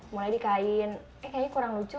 mulai di kain kayaknya kurang lucu